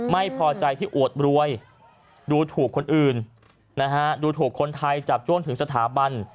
ไม่พอใจที่อวดรวยดูถูกคนอื่นนะฮะดูถูกคนไทยจับจ้วงถึงสถาบัน